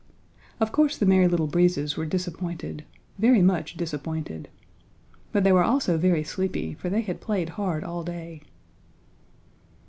Of course the Merry Little Breezes were disappointed, very much disappointed. But they were also very sleepy, for they had played hard all day.